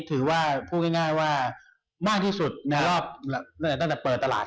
ถือว่าพูดง่ายว่ามากที่สุดในรอบตั้งแต่เปิดตลาด